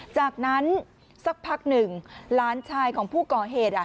จากนั้นสักพักหนึ่งหลานชายของผู้ก่อเหตุ